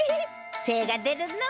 せいが出るのう！